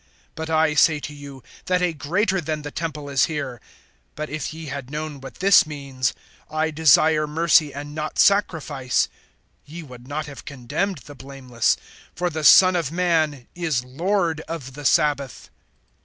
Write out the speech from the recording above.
(6)But I say to you, that a greater than the temple is here. (7)But if ye had known what this means, I desire mercy and not sacrifice, ye would not have condemned the blameless. (8)For the Son of man is Lord of the sabbath.